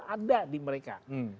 ada di mereka